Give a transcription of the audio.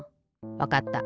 わかった。